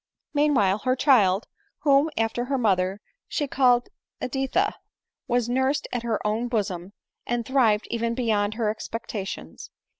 Meanwhile her child, whom, after her mother, she called Editha, was nursed at her own bosom, and thrived even beyond her expectations.